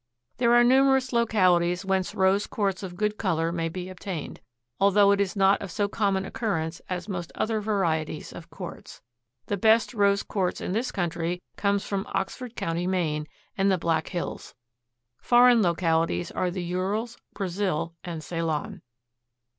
There are numerous localities whence rose quartz of good color may be obtained, although it is not of so common occurrence as most other varieties of quartz. The best rose quartz in this country comes from Oxford County, Maine, and the Black Hills. Foreign localities are the Urals, Brazil and Ceylon.